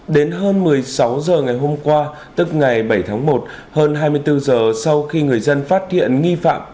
đến hơn một mươi sáu h ngày hôm qua tức ngày bảy tháng một hơn hai mươi bốn giờ sau khi người dân phát hiện nghi phạm